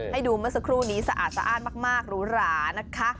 ให้ดูเมื่อสักครู่นี้สะอาดมากภูรานะคะ